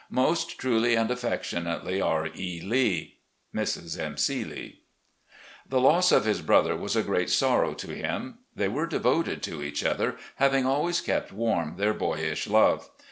"Most truly and affectionately, "R. E. Lee. "Mrs. M. C. Lee." The loss of his brother was a great sorrow to him. They were devoted to each other, having always kept warm their boyish love.